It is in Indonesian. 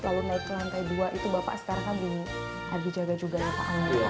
lalu naik ke lantai dua itu bapak sekarang kan belum lagi jaga juga ya pak anggara